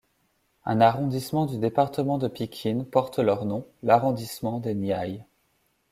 Un arrondissement du département de Pikine porte leur nom, l'arrondissement des Niayes.